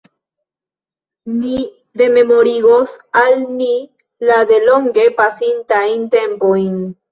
Ni rememorigos al ni la de longe pasintajn tempojn.